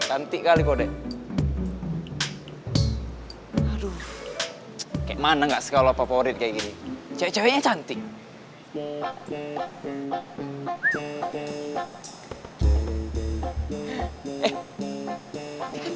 ini sih kebukendang pake sepatu